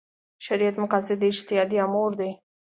شریعت مقاصد اجتهادي امور دي.